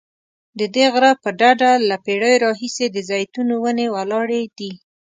ددې غره پر ډډه له پیړیو راهیسې د زیتونو ونې ولاړې دي.